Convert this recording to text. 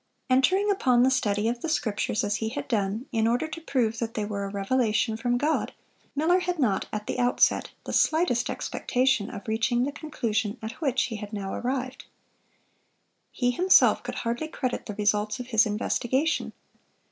Entering upon the study of the Scriptures as he had done, in order to prove that they were a revelation from God, Miller had not, at the outset, the slightest expectation of reaching the conclusion at which he had now arrived. He himself could hardly credit the results of his investigation.